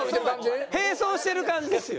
並走してる感じですよ。